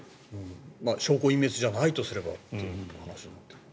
証拠隠滅じゃないとすればっていう話になってくるけど。